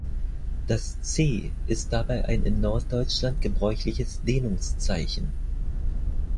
Das -c- ist dabei ein in Norddeutschland gebräuchliches Dehnungszeichen.